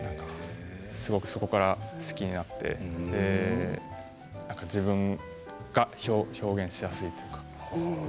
そこからすごく好きになって自分が表現しやすいというか。